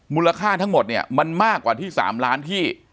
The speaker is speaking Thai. มูลค่าทั้งหมดเนี่ยมันมากกว่าที่๓ล้านที่